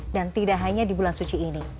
dan tidak hanya di bulan suci ini